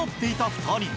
２人